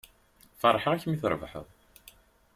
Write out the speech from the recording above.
Feṛḥeɣ-ak mi trebḥeḍ.